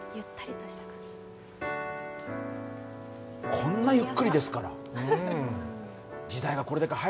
こんなゆっくりですから。